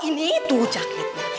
ini tuh jaketnya